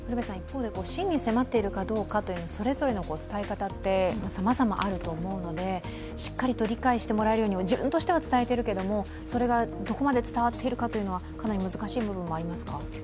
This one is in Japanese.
真に迫っているかどうかって、それぞれの伝え方ってさまざまあると思うので、しっかりと理解してもらえるように、自分としては伝えているけれども、それがどこまで伝わっているかはかなり難しいものもありますか。